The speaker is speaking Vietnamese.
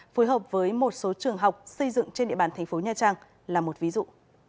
phối hợp với một số trường học xây dựng trên địa bàn tp nha trang là một ví dụ